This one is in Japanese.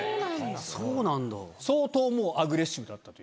そうなんだ。